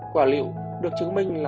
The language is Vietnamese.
quả rượu được chứng minh là